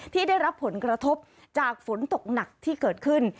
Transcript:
ที่ได้รับผลกระทบจากฝนตกหนักที่เกิดขึ้น